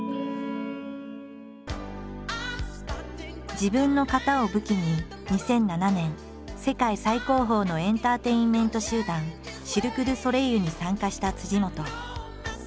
自分の型を武器に２００７年世界最高峰のエンターテインメント集団シルク・ドゥ・ソレイユに参加した本。